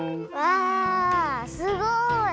わあすごい！